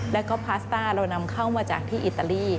แล้วก็พาสต้าเรานำเข้ามาจากที่อิตาลี